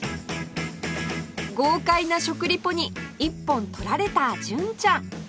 豪快な食リポに一本取られた純ちゃん